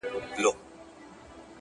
دا خواركۍ راپسي مه ږغـوه؛